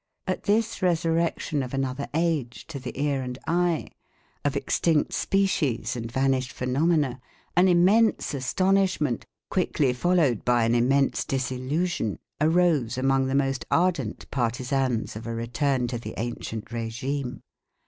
At this resurrection of another age to the ear and eye, of extinct species and vanished phenomena, an immense astonishment quickly followed by an immense disillusion arose among the most ardent partisans of a return to the ancient regime.